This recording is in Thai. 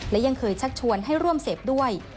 และยังเคยชักชวนให้ร่วมเสพด้วย